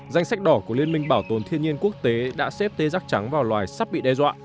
danh sách đỏ của liên minh bảo tồn thiên nhiên quốc tế đã xếp tê giác trắng vào loài sắp bị đe dọa